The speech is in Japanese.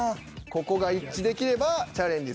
ここが一致できればチャレンジ